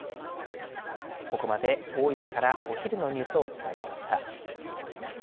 ここまで、大分からお昼のニュースをお伝えしました。